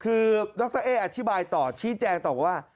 คือดรเอ๊อธิบายต่อชี้แจงต่อว่า